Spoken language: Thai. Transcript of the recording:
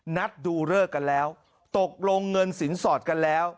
นัดดูเลิกกันแล้วตกลงเงินสินสอดกันแล้ว